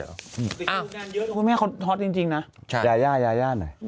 อ้าวคุณแม่เขาฮอตจริงนะยาย่าหน่อย